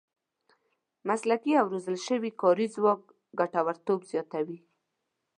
مسلکي او روزل شوی کاري ځواک ګټورتوب زیاتوي.